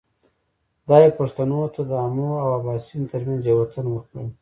خدای پښتنو ته د آمو او باسین ترمنځ یو وطن ورکړی.